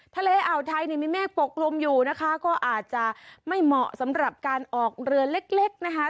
ทะเลอ่าวไทยเนี่ยมีเมฆปกกลุ่มอยู่นะคะก็อาจจะไม่เหมาะสำหรับการออกเรือเล็กนะคะ